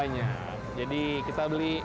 minimal lima butir kelapa tua